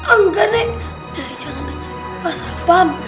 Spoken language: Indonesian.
enggak nenek jangan dengerin pak sabam